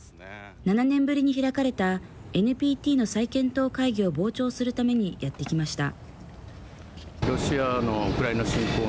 ７年ぶりに開かれたＮＰＴの再検討会議を傍聴するためにやって来ました。